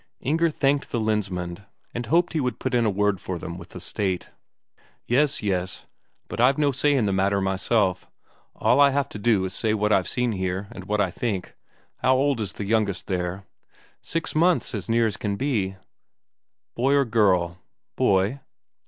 Inger thanked the Lensmand, and hoped he would put in a word for them with the State. "Yes, yes. But I've no say in the matter myself. All I have to do is to say what I have seen, and what I think. How old is the youngest there?" "Six months as near as can be." "Boy or girl?" "Boy."